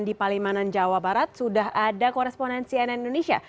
di palimanan jawa barat sudah ada koresponensi ann indonesia